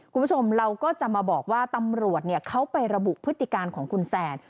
คุณผู้ชมเราก็จะมาบอกว่าตำรวจเขาไประบุพฤติการของคุณแซน